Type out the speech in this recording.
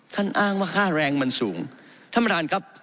ท่านอ้างว่าค่าแรงมันสูงธรรมดาลครับ